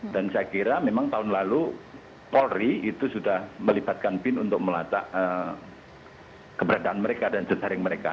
dan saya kira memang tahun lalu polri itu sudah melibatkan pin untuk melacak keberadaan mereka dan jajaring mereka